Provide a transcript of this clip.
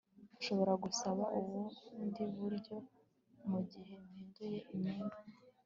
ushobora gusaba ubundi buryo mugihe mpinduye imyenda